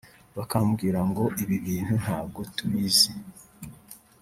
bakambwira ngo ibi bintu ntabwo tubizi